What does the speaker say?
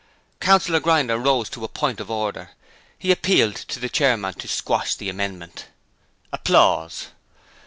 Councillor Grinder rose to a point of order. He appealed to the Chairman to squash the amendment.